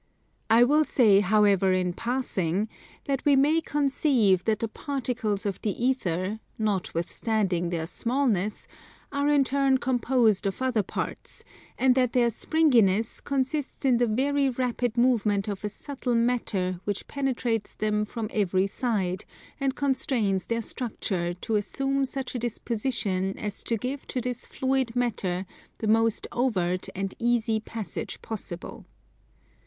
I will say, however, in passing that we may conceive that the particles of the ether, notwithstanding their smallness, are in turn composed of other parts and that their springiness consists in the very rapid movement of a subtle matter which penetrates them from every side and constrains their structure to assume such a disposition as to give to this fluid matter the most overt and easy passage possible.